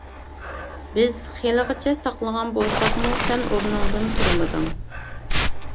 بىز خېلىغىچە ساقلىغان بولساقمۇ سەن ئورنۇڭدىن تۇرمىدىڭ.